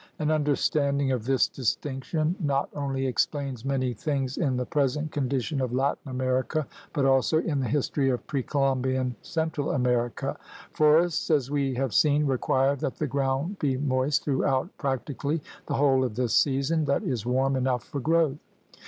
An understanding of this distinction not only explains many things in the present condition of Latin America but also in the history of pre Columbian Central America. Forests, as we have seen, require that the ground be moist throughout practically the whole of the season that is warm enough for growth.